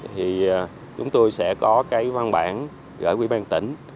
thì chúng tôi sẽ có cái văn bản gửi quỹ ban tỉnh